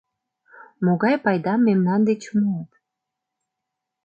Могай пайдам мемнан деч муыт?